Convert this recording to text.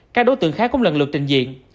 các đối tượng khác cũng lần lượt trình diện